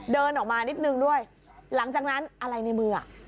เดินออกมานิดนึงด้วยหลังจากนั้นอะไรในมืออ่ะ